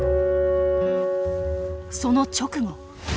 その直後。